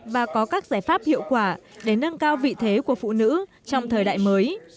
và có các giải pháp hiệu quả để nâng cao vị thế của phụ nữ trong thời đại mới